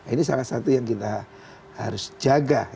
ini salah satu yang kita harus jaga